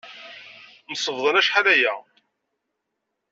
Msebḍan acḥal aya.